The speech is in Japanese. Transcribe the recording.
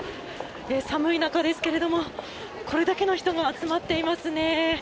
寒い中ですが、これだけの人が集まっていますね。